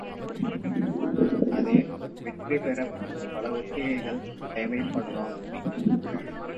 அது வெற்றி பெறப் பல ஒத்திகைகள் தேவைப்படலாம்.